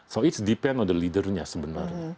so it's depend on the leader nya sebenarnya